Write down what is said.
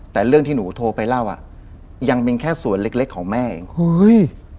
แต่เรื่องที่หนูโทรไปเล่าอ่ะยังเป็นแค่ส่วนเล็กเล็กของแม่เองเฮ้ย